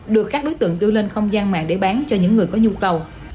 được các đối tượng đưa lên không gian mạng để bán cho những người có nhu cầu